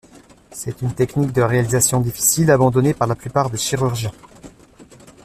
C’est une technique de réalisation difficile, abandonnée par la plupart des chirurgiens.